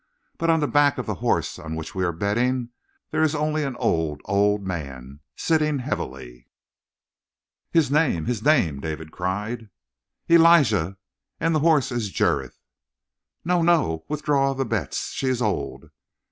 But on the back of the horse on which we are betting there is only an old, old man, sitting heavily." "His name! His name!" David cried. "Elijah! And the horse is Jurith!" "No, no! Withdraw the bets! She is old."